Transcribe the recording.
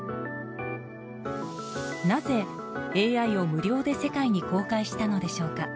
なぜ、ＡＩを無料で世界に公開したのでしょうか。